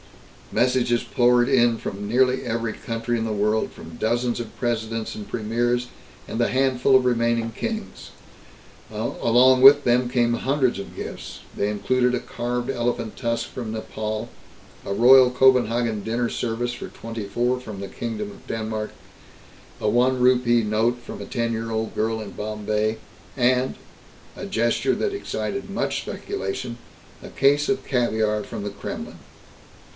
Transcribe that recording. Messages poured in from nearly every country in the world, from dozens of presidents and premiers, and the handful of remaining kings. Along with them came hundreds of gifts. They included a carved elephant tusk from Nepal, a Royal Copenhagen dinner service for twenty four from the Kingdom of Denmark, a one rupee note from a ten year old girl in Bombay and a gesture that excited much speculation a case of caviar from the Kremlin.